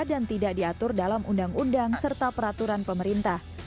dan tidak diatur dalam undang undang serta peraturan pemerintah